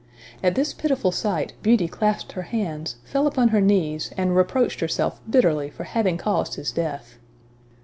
At this pitiful sight, Beauty clasped her hands, fell upon her knees, and reproached herself bitterly for having caused his death.